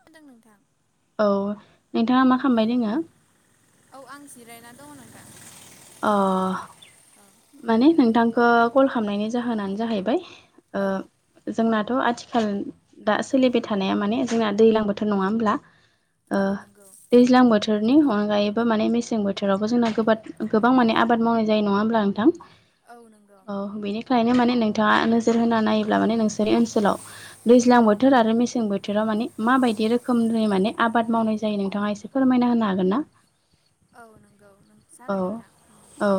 नदों नोंथां औ नोंथाङा मा औ खालामबाय दोङो? औ आं जिरायना दङ नोंथां अ माने नोंथांखौ कल खालामनायनि जाहोनानो जाहैबाय औ जोंनाथ' आथि [unintelligible] दा सोलिबाय थानाया माने जोंना दैज्लां बोथोर नङा होमब्ला? औ नंगौ दैज्लां बोथोरनि अनगायैबो माने मेसें बोथोरावबो जोंना गोबाद गोबां माने आबाद मावनाय जायो नङा होमब्ला नोंथां? औ नंगौ। औ बेनिखायनो माने नोंथाङा नोजोर होना नायोब्ला माने नोंसोर ओनसोलाव दैज्लां बोथोर आरो मेसें बोथोराव मा माने मा बायदि रोखोमनि मे आबाद मावनाय जायो नोंथाङा एसे फोरमायना होनो हागोन ना। औ नंगौ औ जागोन नोंथां औ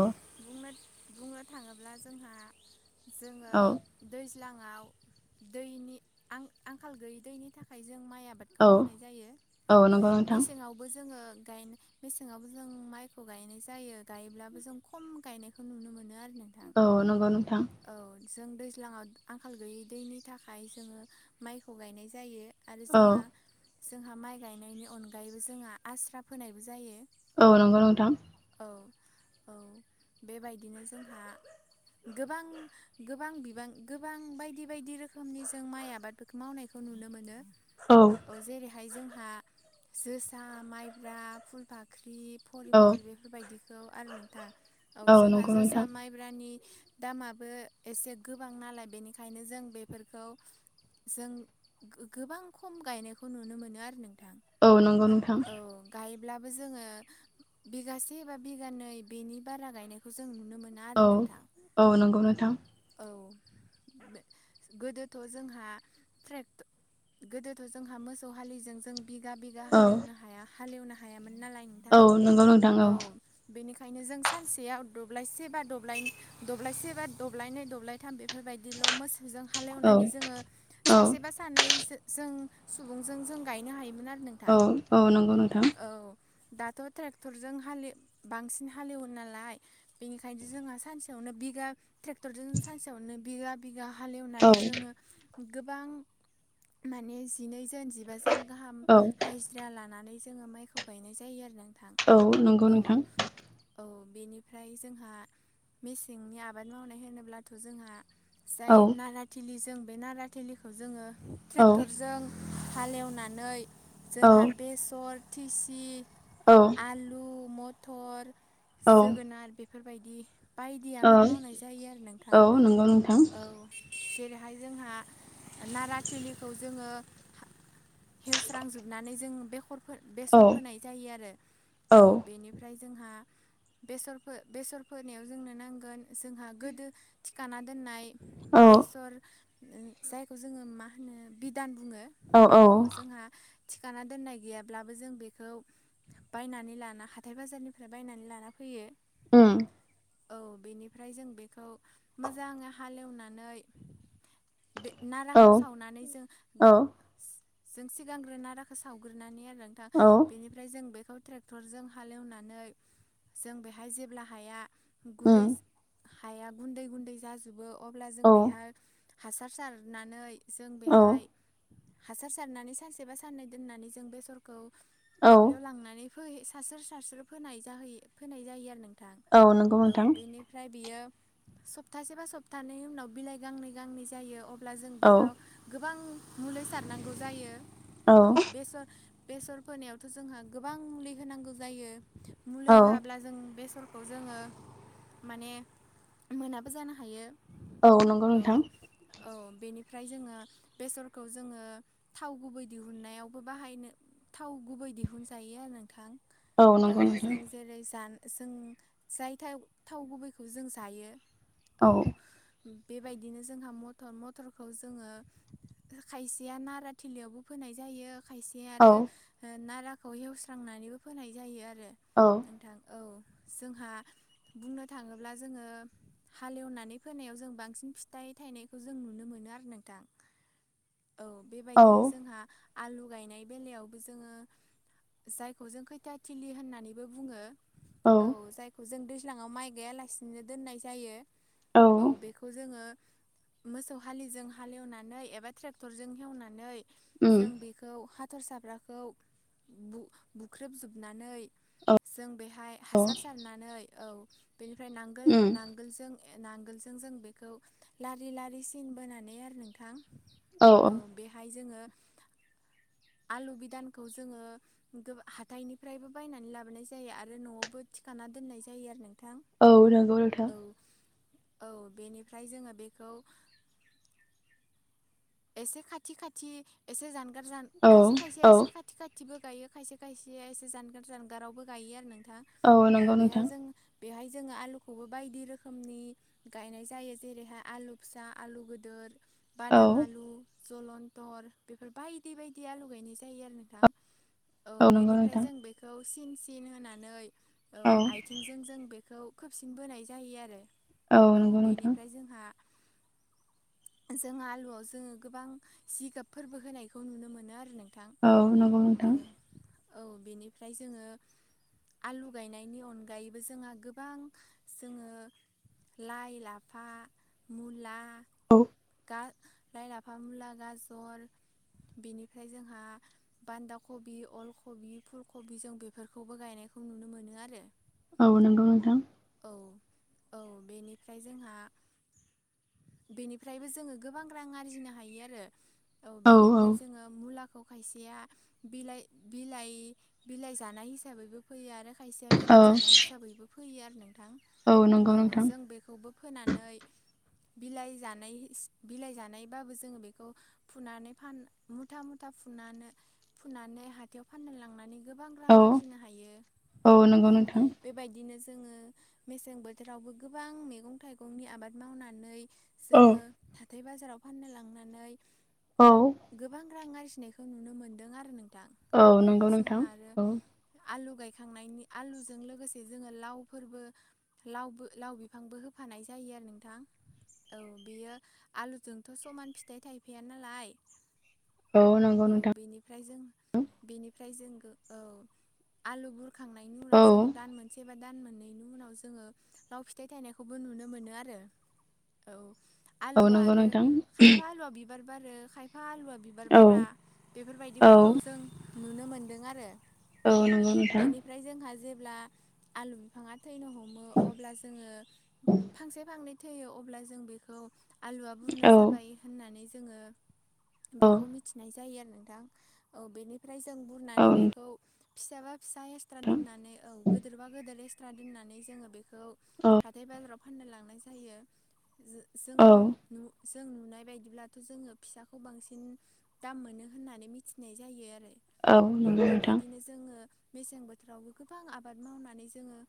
बुंनो थाङोब्ला जोंहा जोङो दै औ दैज्लांव दैनि आं - आंखाल गैयै दैनि थाखाय जों जों माइ आबादखौ औ मावनाय जायो औ नंगौ नोंथां मेसेङावबो जोङो गायनाय मेसेङावबो जों माइखौ गायनाय जायो गायोब्लाबो जों खम गायनायखौ नुनो मोनो आरो नोंथां औ नंगौ नोंथां औ जों दैज्लाङाव आंखाल गैयै दैनि थाखाय जोङो माइखौ गायनाय जायो आरो औ जोंहा जोंहा माइ गायनायनि अनगायैबो जोंहा आस्रा फोनायबो जायो। औ नंगौ नोंथां औ - औ बेबायदिनो जोंहा गोबां गोबां बिबां गोबां बायदि बायदि रोखोमनि जों माइ आबादफोरखौ मावनायखौ नुनो मोनो औ जेरैहाय जोंहा जोसा, माइब्रा, फुलफा फख्रि औ फरिमल बेफोरबायदिखौ आरो नोंथां औ जोंहा नंगौ जोसा नोंथां माइब्रानि दामाबो एसे गोबां नालाय बेनिखायनो जों बेफोरखौ जों गोबां खम गायनायखौ नुनो मोनो आरो नों औ नंगौ नोंथां। ब्लाबो जोङो बिघासे बा बिघानै बेनि बारा गायनायखौ जों नु औ औ नंगौ नोंथां। औ गोदोथ' जोंहा ट्रेक्टर गोदोथ' जोंहा मोसौ हालिजों जों बिघा बिघा औ हालेवनो हाया हालेवनो हायामोन नालाय औ नंगौ नोंथां औ ओंखायनो जों सानसेयाव दाब्लायसे बा दब्लाय दब्लायसे बा दब्लायनै दब्लायथाम बेफोरबायदिल' मोसौ जों हालेवनानै जोङो औ सासेबा सानै जों सुबुंजों जों गायनो हायोमोन आरो नोंथां औ औ नंगौ नोंथां औ दाथ' ट्रेक्टरजों हालि बांसिन हालेवो नालाय बेनिखायनोथ' जोंहा सानसेयाव बिघा ट्रेक्टरजों सानसेयावनो बिघा बिघा औ हालएवनानै जोङो गोबां माने जिनै जोन जिबा जोन गाहाम औ हाजिरा लानानै जोङो माइखौ गायनाय जायो आरोना। औ नंगौ नोंथां। औ बेनिफ्राय जोंहा मेसेंनि आबाद मावनाय होनोब्लाथ' जोंहा औ जाय नारा थिलिजों बे नारा थिलिखौ जोङो औ ट्रेक्टरजों हालेवनानै औ जोंहा बेसर थिस औ आलु, मथर, औ जोगोनार बेफोरबायदि। बायदि औ आबाद मावनाय जायो आरो नोंथां औ नंगौ नोंथां औ जेरैहाय जोंहा नारा थिलिखौ जोङो हेवस्रांजोबनानै जों बेखर औ बेसर फोनाय जायो आरो औ बेनिफ्राय जोंहा बेसरफो- बेसर फोनायाव जोंनो नांगोन जोंहा गोदो थिखाना दोननाय औ बेसर जायखौ जोङो मा होनो बिधान बुङो। औ जोंहा थिखाना दोननाय गैयाब्लाबो जों बे बे खौ बायनानै लाना हाथाय बाजारनिफ्राय बायनानै लाना फैयो औ औ बेनिफ्राय जों बेखौ मोजाङै हालेवनानै बे औ नाराखौ सावनानै जों औ जों सिगांग्रो नाराखौ सावग्रोनानै आरो नोंथां। औ बेनिफ्राय जों बेखौ ट्रेक्टरजों हालेवनानै जों बेहाय जेब्ला हाया उम गुरै हाया गुन्दै गुन्दै जाजोबो अब्ला औ जों बेहाय हासार सारनानै जों औ बेहाय हासार सारनानै सानसेबा साननै दोननानै जों बेसरखौ औ दुब्लियाव लांनानै फै सारस्रो सारस्रो फोनाय जायो फोनाय जायो आरो नोंथां औ नंगौ औ नोंथां। बेनिफ्राय बियो सप्तासे बा सप्तानै उनाव बिलाइ गांनै - गांनै जायो। अब्ला जों औ बेयाव गोबां मुलि सारनांगौ जायो। औ बेसर बेसर फोनायावथ' जोंहा गोबां मुलि होनांगौ जायो मुलि औ होआब्ला जों बेसर खौ जोङो माने मोनाबो जानो हायो औ नंगौ नोंथां औ-औ। बेनिफ्राय जोङो बेसरखौ जोङो थाव गुबै दिहुननायावबो बाहायनो थाव गुबै दिहुनजायो आरो नोंथां औ नंगौ जों नोंथां जेरै जान जों जाय थाव-थाव गुबैखौ जों जायो। औ बेबायदिनो जोंहा मटर मटरखौ जोङो खायसेया नारा थिलियावबो फोनाय जायो खायसे आरो औ नाराखौ हेवस्रांनानैबो फोनाय जायो आरो आरो औ नोंथां औ जोंहा बुंनो थाङोब्ला जोङो हालेवनानै फोनायाव जों बांसिन फिथाइ थायनायखौ जों नुनो मोनो आरो नोंथां औ बेबायदिनो औ जोंहा आलु गायनाय बेलायावबो जोङो जायखौ जों खैथा थिलि होननानैबो बुङो औ जायखौ जों दै दैलाङाव माइ गायालासिनो दोननाय जायो औ बेखौ जोङो मोसौ हालिजों हालेवनानै एबा ट्रेक्टरजों हेवनानै जों उम बेखौ हाथर साफ्राखौ बुख्रेबजोबनानै जों बेहाय औ हासार सारनानै औ बेनिफ्राय नांगोल उम नांगोलजों नांगोलजों जों बेखौ लारि लारि सिन बोनानै आरो नोंथां औ बेहाय जोङो आलु बिदानखौ जो जोङो हाथाइनिफ्रायबो बायनानै लाबोनाय जायो आरो न'आवबो थिखाना दोननाय जायो आरो नों औ नंगौ नोंथां औ बेनिफ्राय जोङो बेखौ एसे खाथि खाथि एसे जानगार जान औ खायसे खायसे औ एसे खाथि खाथि थिबो गायो खायसे खायसे एसे जानगार जानगारावबो गायो आरो नोंथां औ नंगौ बेहाय नोंथां जों बेहाय जोङो आलुखौबो बायदि रोखोमनि गायनाय जायो जेरैहाय आलु फिसा आलु गदोर औ बादामाल जलन्थर बेफोर बायदि बायदि आलु गायनाय जायो आरो नोंथां औ नंगौ बेनिफ्राय नोंथां जों बेखौ सिन सिन होनानै औ आइथिंजों जों बेखौ खोबसिन बोनाय जायो आरो औ नंगौ नोंथां। बेनिफ्राय जोंहा जों आलुआव ज जोङो गोबां जिगाबफोरबो होनायखौ नुनो मोनो आरो नों औ नोंगौ नोंथां। औ बेनिफ्राय जोङो आलु गायनायनि अनगायैबो जोंहा गोबां जोङो लाइ, लाफा, मुला औ। ला-लाइ, लाफा, मुला, गाजर बेनिफ्राय जोंहा बान्दा कबि, अल कबि, फुलकबि जों बेफोरखौबो गायनाय जों नुनो मोनो आरो। औ नंगौ नोंथां। औ औ बेनिफ्राय जोंहा बेनिफ्रायबो जोङो गोबां रां आरजिनो हायो आरो। औ बेनिफ्राय जोङो मुलाखौ खायसेया बिलाइ बिलाइ बिलाइ जानाय हिसाबैबो फैयो आरो खायसेया बेदर औ जानाय हिसाबैबो फैयो आरो नों थां नंगौ औ नोंथां जों बेखौबो फोनानै बिलाइ जानाय बिलाइ जानायबाबो जोङो बेखौ फुनानै फान मुथा मुथा था फुनानै फुनानै हाथायाव फाननो लांनानै गोबां रां औ आरजिनो हायो। नंगौ औ नोंथां बेबायदिनो जों मेसें बोथोरावबो गोबां मैगं थाइगंनि आबाद मावनानै औ जोङो हाथाय बाजाराव फाननो लांनानै औ गोबां रां आरजिनायखौ नुनो मोनदों आरो नों थां। औ, नंगौ नोंथां जोंहाबो औ आलु गाय खांनायनि आलुजों लोगोसे जोङो लावफोरबो लावबो लाव बिफांबो होफानाय जायो आरो नोंथां। औ बियो आलुजोंथ' समान फिथाइ थायफाया नालाय नंगौ औ नोंथां बेनिफ्राय जों बेनिफ्राय औ आलु बुर खांनायनि औ उनाव जों दान मोनसे बा दान मोननैनि उनाव जोङो लाव फिथाइ थायनायखौबो नुनो मोनो आरो औ। औ आलुआ नंगौ आरो नोंथां खायफा आलुआ बिबार बारो खायफा फा आलुवा बिबार औ बारा बेफोरबायदिफोरखौ औ जों नुनो मोनदों आरो। औ नंगौ नोंथां बेनिफ्राय जोंहा जेब्ला आलु बिफाङा थैनो हम मो अब्ला जोङो फांसे फांनै थैयो अब्ला जों बेखौ आलुआ बुरनो औ जाबाय होननानै जोङो औ बेखौ मिथिनाय जायो आरोना। नोंथां औ बेनिफ्राय जों औ बुरनानै बेखौ फिसा बा फिसा एक्सट्रा नोंथां दोननानै औ गोदोरबा गोदोर एक्सट्रा दोननानै जोङो बेखौ औ हाथाय बाजाराव फाननो लांनाय जायो जो-जों औ न' जों नुनाय बायदिब्लाथ' जोङो फिसाखौ बांसिन दाम मोनो होननानै मिथिनाय जायो आरो। औ नंगौ नोंथां बेबायदिनो जोङो मेसें बोथोरावबो गोबां आबाद मावनानै जोङो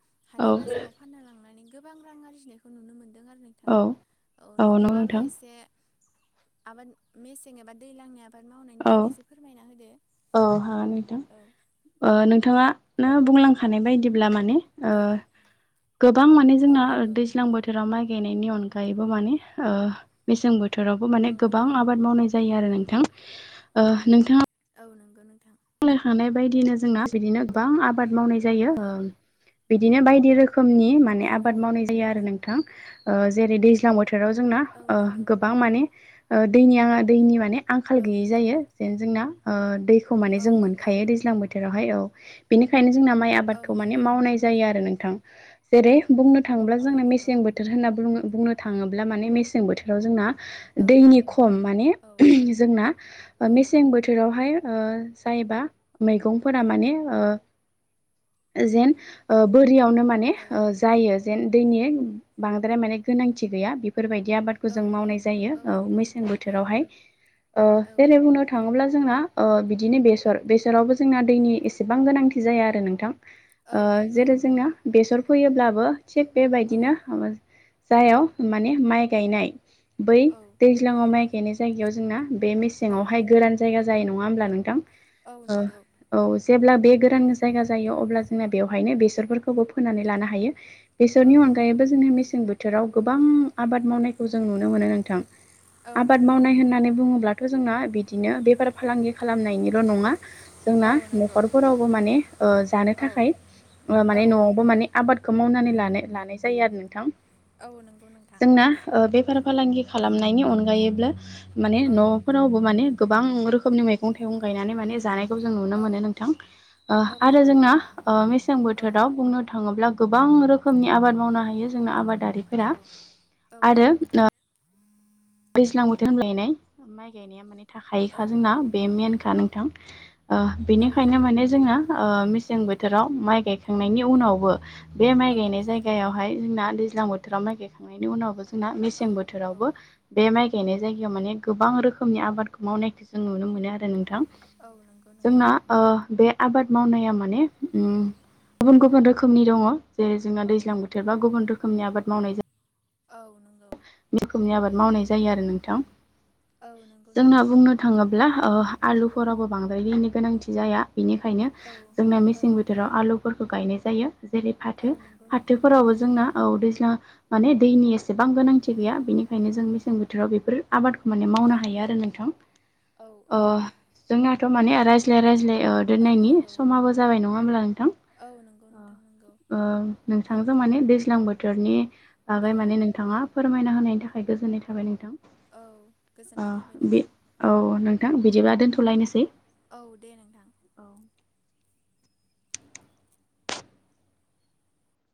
औ हाथाइ बाजाराव फानना लांनानै गोबां रां आरजिनायखौ नुनो मोनो। नोङा नोंथां औ औ नंगौ नोंथाङोबो नोंथां इसे आबाद मेसें एबा दैज्लांनि आबाद मावनायनि औ बागैसो फोरमायना होदो। औ हागोन नोंथां। औ ओ नोंथाङा नो बुंलांखानाय बायदिब्ला माने ओ औ गोबां माने औ जोंना नंगौ दैज्लां बोथोराव माइ बेनिनि अनगायैबो माने ओ मेसें बोथो थोरावबो माने औ गोबां नंगौ आबाद मावनाय जायो आरो नोंथां। ओ नोंथाङा औ नोंगौ नोंथां। बुंलांखानाय बायदिनो जोंना बिदिनो गोबां आबाद मावनाय जायो। औ बिदिनो बायदि रोखोम खोमनि माने औ आबाद नंगौ मावनाय जायो आरो नोंथां। ओ जेरै दैज्लां बोथ बोथोराव जोंना औ ओ नंगौ गोबां माने दैनि दैनि माने आंखाल औ गैयि जायो जेन जोंना ओ दैखौ माने औ जों नंगौ मोनखायो दैज्लां बोथोरावहाय औ बेनिखायनो जोंना माइ औ आबादखौ माने नंगौ मावनाय जायो आरो नोंथां जेरै बुंनो थाङोब्ला औ जोंना नंगौ मेसें बोथोर होनना बुङो बुंनो थाङोब्ला माने मेसें बोथोराव जोंना औ दैनि खम माने औ जोंना औ मेसें बोथोरावहाय ओ जायोबा मैगंफोरा माने ओ जेन ओ बो रियावनो माने औ जायो जेन दैनि बांद्राय माने गोनांथि गैया बेफोरबायदि आबादखौ औ जों औ मावनाय जायो औ नंगौ मेसें नोंथां औ बोथोरावहाय ओ औ जेरै बुंनो थाङोब्ला जोंना ओ बिदिनो बेसर बेसरावबो जोंना दैनि एसेबां गोनांथि जाया आरो नोंथां औ ओ नंगौ जेरै जोङो बेसर फैयोब्लाबो थिग औ बेबायदिनो जायाव माने माइ गायनाय बै औ दैज्लाङाव माइ गायनाय जायगायाव जोंना बे औ मेसेङावहाय गोरान जायगा जायो नङा होमब्ला नोंथां औ ओ नंगौ औ जेब्ला बे गोरान जायगा जायो अब्ला जोंना बेवहाय फ्रायनो बेसरफोरखौबो फोनानै लानो हायो औ बेसरनि अगायैबो जोङो मेसें बो बोथोराव गोबां आबाद मावनायखौ जों नुनो मोनो नोंथां औ आबाद नंगौ मावनाय होननानै बुङोब्लाथ' थ' जोंना बिदिनो बेफार फालांगि खालामनायनिल' नङा जोंना औ नंगौ न'खरफोरावबो माने ओ जानो औ थाखाय औ माने न'आवबो माने आबाद खौ मावनानै लानो लानाय जायो आरो नोंथां औ नंगौ नोंथां जोंना बेफार फालांगि खालामनायनि अनगायैबो माने औ न'फोरावबो माने गोबां रोखोमनि मैगं थाइगं गायनानै माने जानायखौ जों नुनो औ मोनो नोंथां ओ औ आरो नंगौ जोंना मेसें औ बोथोराव बुंनो थाङोब्ला गोबां रोखोमनि आबाद मावनो हायो जोंना आबादारिफोरा औ औ आरो नंगौ ओ दैज्लां बोथोराव हाय माइ गायनाया माने औ थाखायोखा जोंना बे मेनखा नोंथां ओ औ बिनिखायनो नंगौ माने जोङो ओ मेसें बोथोराव माइ गायखांनायनि उनावबो बे माइ औ गायनाय जायगायावहाय जोंना दैज्लां बोथोराव माइ गायखांनायनि उनावबो जों जोंना औ मेसें औ बोथोरावबो बे माइ गायनाय जायगायाव माने गोबां रोखोमनि आबादखौ मावनायखौ जों नुनो मोनो आरो नोंथां। औ नंगौ नोंथां जोंना ओ बे। आबाद मावनाया माने उम गुबुन गुबुन रोखोमनि दङ जे जोंना औ दैज्लां बोथोरबा गुबुन रोखोमनि आबाद मावनाय जायो औ नंगौ बे रोखोमनि आबाद मावनाय जायो आरो नोंथां औ नंगौ जोंना नोंथां बुंनो थाङोब्ला ओ आलुफोराबो बांद्रायनि गोनांथि जाया बेनिखायनो औ जोंना औ मेसें बोथोराव आलुफोरखौ गायनाय जायो। जेरै फाथो औ नंगौ नोंथां फाथोफोरावबो जोंना औ दैना माने दैनि एसे गोबां गोनांथि गैया बेनिखायनो जों मेसें बोथोराव बेफोर। आबादखौ माने मावनो हायो आरो नोंथां औ ओ जोंनाथ' माने रायज्लाय रायज्लाय औ दोननायनि नंगौ समाबो जाबाय नङा होमब्ला नोंथां। औ नंगौ नोंथां नंगौ ओ औ नोंथांजों माने दैज्लां बोथोरनि बागै औ माने नोंथाङा फोरमायना होनायनि थाखाय गोजोननाय थाबाय नोंथां। औ ओ गोजोननाय थाबाय उम बे नोंथां औ नोंथां बिदिबा दोनथलायनोसै। औ दे नोंथां। औ